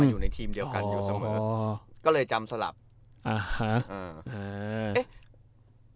อยู่ในทีมเดียวกันอยู่เสมออ๋อก็เลยจำสลับอ่าฮะอ่าเอ๊ะ